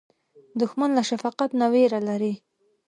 دښمن له شفقت نه وېره لري